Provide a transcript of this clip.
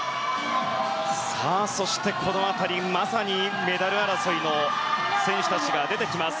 そしてこの辺り、まさにメダル争いの選手が出てきます。